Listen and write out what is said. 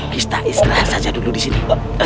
pista istilah saja dulu di sini